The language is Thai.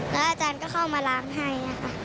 แล้วอาจารย์ก็เข้ามาล้างให้ค่ะ